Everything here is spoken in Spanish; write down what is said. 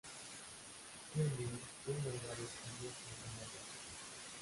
Tiene uno o varios tallos y ramas bajas.